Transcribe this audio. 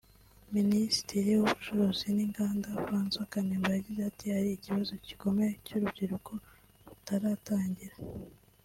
Minisitiri w’Ubucuruzi n’Inganda François Kanimba yagize ati “Hari ikibazo gikomeye cy’urubyiruko rutaratangira